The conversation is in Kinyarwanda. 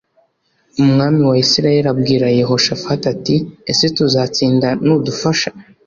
Umwami wa Isirayeli abwira Yehoshafati ati ese tuzatsinda nudufasha